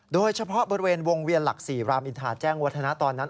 โดยเฉพาะบริเวณวงเวียนหลักศรีรามอินทาแจ้งวัฒนาตอนนั้น